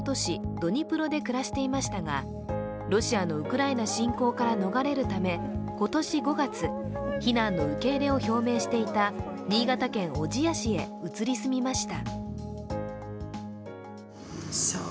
ドニプロで暮らしていましたがロシアのウクライナ侵攻から逃れるため今年５月避難の受け入れを表明していた新潟県小千谷市へ移り住みました。